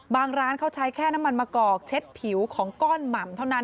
ร้านเขาใช้แค่น้ำมันมะกอกเช็ดผิวของก้อนหม่ำเท่านั้น